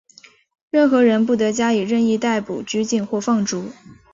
任何人不得加以任意逮捕、拘禁或放逐。